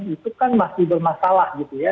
itu kan masih bermasalah gitu ya